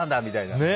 みたいな。